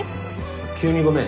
急にごめん。